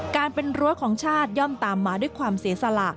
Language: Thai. การเป็นรั้วของชาติย่อมตามมาด้วยความเสียสละ